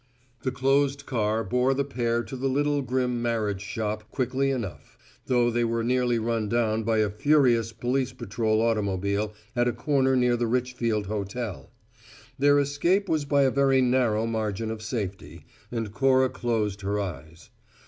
The closed car bore the pair to the little grim marriage shop quickly enough, though they were nearly run down by a furious police patrol automobile, at a corner near the Richfield Hotel. Their escape was by a very narrow margin of safety, and Cora closed her eyes.